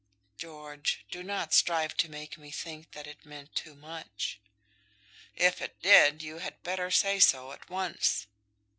"George, do not strive to make me think that it meant too much." "If it did, you had better say so at once."